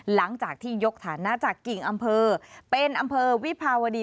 หลังจากที่ยกฐานะจากกิ่งอำเภอเป็นอำเภอวิภาวดี